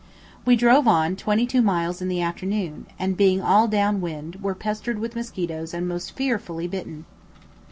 We drove on twenty two miles in the afternoon, and, being all down wind, were pestered with mosquitoes and most fearfully bitten.